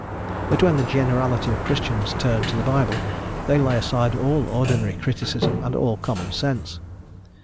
But when the generality of Christians turn to the Bible they lay aside all ordinary criticism and all common sense.